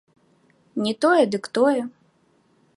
Не тое, дык тое.